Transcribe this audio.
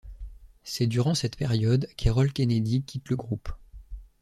C'est durant cette période qu'Errol Kennedy quitte le groupe.